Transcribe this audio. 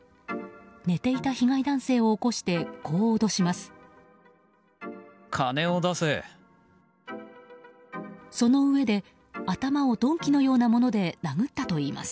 寝ていた被害男性を起こしてこう脅します。